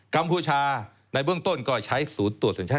กัมพูชาในเบื้องต้นก็ใช้ศูนย์ตรวจสัญชาติ